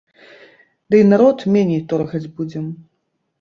Дый народ меней торгаць будзем.